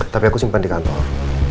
tapi aku simpan di kantor